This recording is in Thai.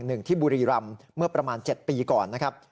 หนึ่งที่บุรีรำเมื่อประมาณ๗ปีก่อนนะครับ